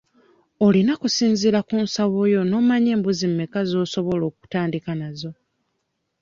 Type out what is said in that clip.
Olina kusinziira ku nsawo yo n'omanya mbuzi mmeka z'osobola okutandika nazo.